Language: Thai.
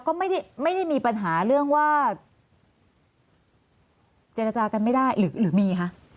ก็ไม่ได้มีปัญหาเรื่องว่าเจรจากันไม่ได้หรือมีคะ